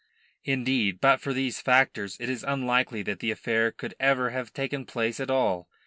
Indeed, but for these factors it is unlikely that the affair could ever have taken place at all.